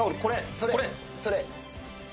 それ、それ。